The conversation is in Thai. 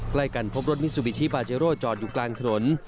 ใกล้กันพบรถมิซูบิชิปาเจโร่จอดอยู่กลางถนน